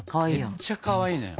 めっちゃかわいいのよ。